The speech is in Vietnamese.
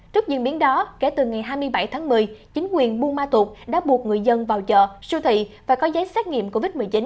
trước diễn biến đó kể từ ngày hai mươi bảy tháng một mươi chính quyền bumatut đã buộc người dân vào chợ siêu thị và có giấy xét nghiệm covid một mươi chín